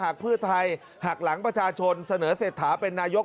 หากเพื่อไทยหักหลังประชาชนเสนอเศรษฐาเป็นนายก